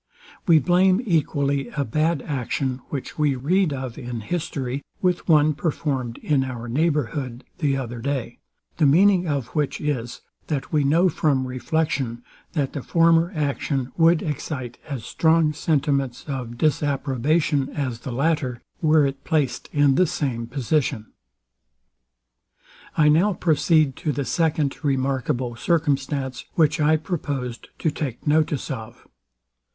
We blame equally a bad action, which we read of in history, with one performed in our neighbourhood the other day: The meaning of which is, that we know from reflection, that the former action would excite as strong sentiments of disapprobation as the latter, were it placed in the same position. I now proceed to the second remarkable circumstance, which I proposed to take notice of.